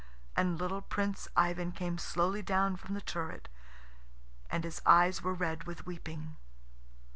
And little Prince Ivan came slowly down from the turret, and his eyes were red with weeping.